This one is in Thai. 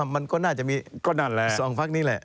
มันก็น่าจะมี๒ภักดิ์นี้แหละ